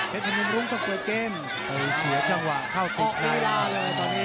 เทพนุนรุมต้องเปิดเกม